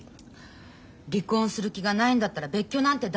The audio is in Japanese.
離婚する気がないんだったら別居なんて駄目よ。